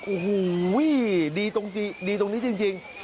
โอ้โหดีตรงนี้จริง